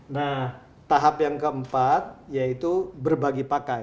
nah tahap yang keempat yaitu berbagi pakai